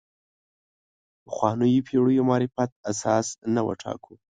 پخوانیو پېړیو معرفت اساس نه وټاکو.